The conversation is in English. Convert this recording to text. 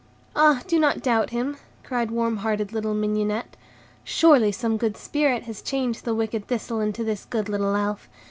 "Ah, do not doubt him!" cried warm hearted little Mignonette; "surely some good spirit has changed the wicked Thistle into this good little Elf.